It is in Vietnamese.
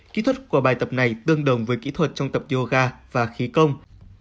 kỹ thuật của bài tập này tương đồng với kỹ thuật trong tập yoga và khí công